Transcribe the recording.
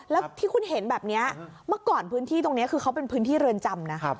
แล้วที่คุณเห็นแบบนี้เมื่อก่อนพื้นที่ตรงนี้คือเขาเป็นพื้นที่เรือนจำนะ